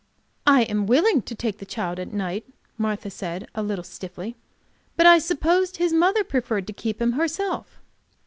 "I am willing to take the child at night," Martha said, a little stiffly. "But I supposed his mother preferred to keep him herself."